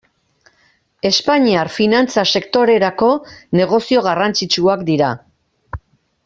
Espainiar finantza sektorerako negozio garrantzitsua dira.